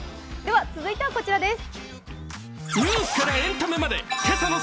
続いてはこちらです。